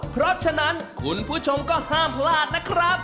เพราะฉะนั้นคุณผู้ชมก็ห้ามพลาดนะครับ